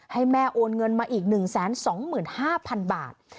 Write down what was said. ให้แม่โอนเงินมาอีก๑๒๕๐๐๐บาท